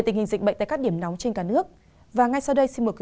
một tình hình dịch covid một mươi chín